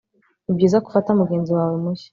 Nibyiza ko ufata mugenzi wawe mushya